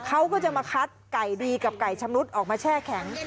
เขาก็จะมาคัดไก่ดีกับไก่ชำรุดออกมาแช่แข็ง